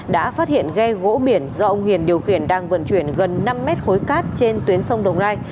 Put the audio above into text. đã phát hiện ghe gỗ biển do ông hiền điều khiển đang vận chuyển gần năm mét khối cát trên tuyến sông đồng nai